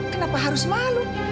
kenapa harus malu